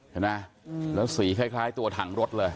เห็นไหมแล้วสีคล้ายตัวถังรถเลย